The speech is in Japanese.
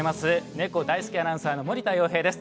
ネコ大好きアナウンサーの森田洋平です。